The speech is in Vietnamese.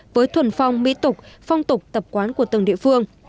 với thuần phong mỹ tục phong tục tập quán của từng địa phương